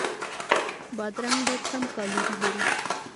بادرنګ ډېر کم کالوري لري.